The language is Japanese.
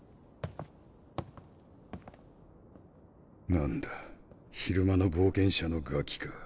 何だ昼間の冒険者のガキか。